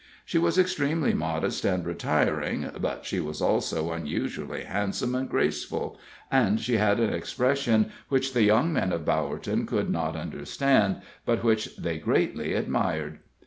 She was extremely modest and retiring, but she was also unusually handsome and graceful, and she had an expression which the young men of Bowerton could not understand, but which they greatly admired.